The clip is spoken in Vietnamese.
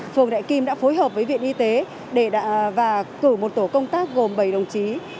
phường đại kim đã phối hợp với viện y tế và cử một tổ công tác gồm bảy đồng chí